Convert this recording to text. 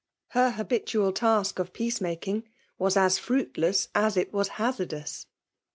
* Her habitual task of pcac^ '' ioiiiitig was as firuitless as it was hazarckms.'